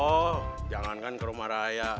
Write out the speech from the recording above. oh jangankan ke rumah raya